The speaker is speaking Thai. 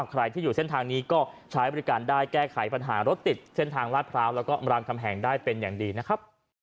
ใครที่อยู่เส้นทางนี้ก็ใช้บริการได้แก้ไขปัญหารถติดเส้นทางลาดพร้าวแล้วก็รามคำแหงได้เป็นอย่างดีนะครับ